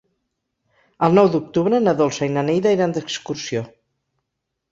El nou d'octubre na Dolça i na Neida iran d'excursió.